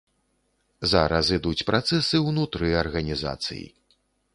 Зараз ідуць працэсы ўнутры арганізацый.